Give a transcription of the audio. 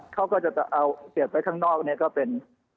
เขาก็จะเอาเก็บไว้ข้างนอกเนี่ยก็เป็น